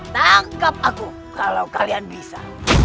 tangkap aku kalau kalian bisa